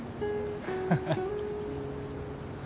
ハハハ。